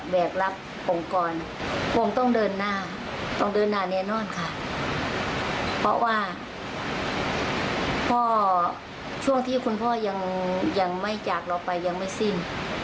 เพราะว่าช่วงที่คุณพ่อยังไม่จากเราไปยังไม่สิ้น